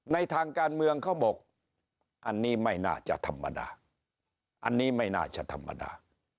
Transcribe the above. ในทางการเมืองเขาบอกอันนี้ไม่น่าจะธรรมดาอันนี้ไม่น่าจะธรรมดา